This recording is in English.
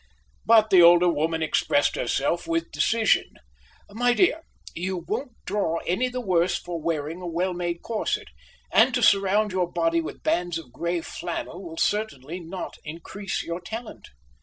But the older woman expressed herself with decision. "My dear, you won't draw any the worse for wearing a well made corset, and to surround your body with bands of grey flannel will certainly not increase your talent."